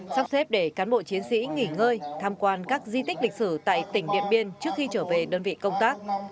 sắp xếp để cán bộ chiến sĩ nghỉ ngơi tham quan các di tích lịch sử tại tỉnh điện biên trước khi trở về đơn vị công tác